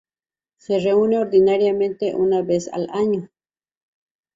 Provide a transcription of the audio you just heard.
Se reúne ordinariamente una vez al año.